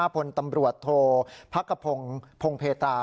พลตำรวจโทษพักกระพงศ์พงเพตา